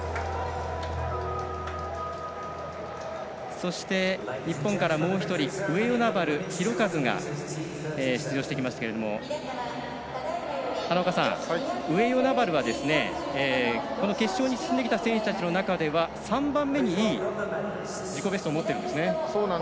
そして、日本からもう１人上与那原寛和が出場してきますけれども花岡さん上与那原はこの決勝に進んできた選手たちの中では３番目にいい自己ベストを持っているんですね。